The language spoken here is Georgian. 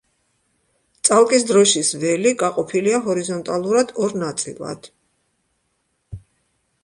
წალკის დროშის ველი გაყოფილია ჰორიზონტალურად ორ ნაწილად.